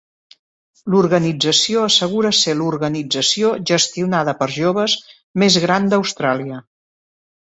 L'organització assegura ser l'organització gestionada per joves més gran d'Austràlia.